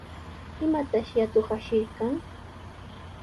¿Imatashi atuq ashirqan?